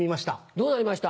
どうなりました？